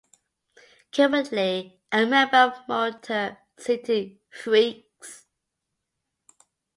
Currently a member of Motor City Freaks.